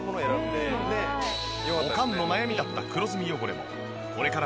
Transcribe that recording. おかんの悩みだった黒ずみ汚れもこれからは